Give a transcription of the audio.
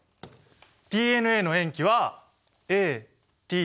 ＤＮＡの塩基は「ＡＴＧＣ」。